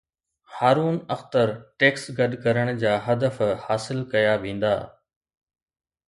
Haroon Akhtar tax گڏ ڪرڻ جا هدف حاصل ڪيا ويندا